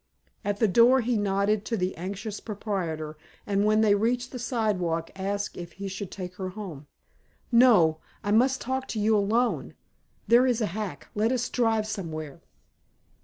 At the door he nodded to the anxious proprietor, and when they reached the sidewalk asked if he should take her home. "No. I must talk to you alone. There is a hack. Let us drive somewhere."